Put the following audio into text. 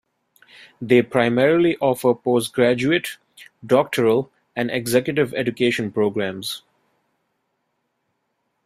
They primarily offer postgraduate, doctoral and executive education programmes.